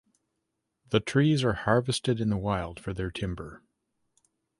The trees are harvested in the wild for their timber.